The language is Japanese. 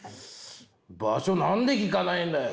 場所何で聞かないんだよ。